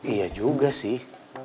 iya juga sih